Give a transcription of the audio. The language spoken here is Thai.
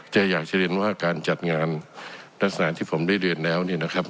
จะอยากจะเรียนว่าการจัดงานลักษณะที่ผมเรียนแล้ว